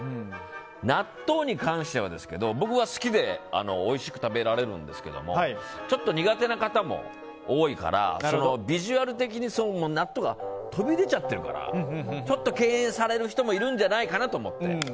納豆に関しては、僕は好きで美味しく食べられるんですけどちょっと苦手な方も多いからビジュアル的に納豆が飛び出ちゃっているからちょっと敬遠される人もいるんじゃないかなと思って。